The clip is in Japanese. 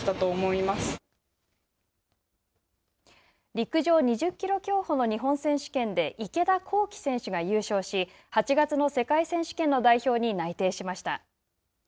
陸上２０キロ競歩の日本選手権で池田向希選手が優勝し８月の世界選手権の代表に内定しました。